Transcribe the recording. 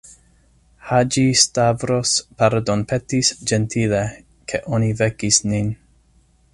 Haĝi-Stavros pardonpetis ĝentile, ke oni vekis nin.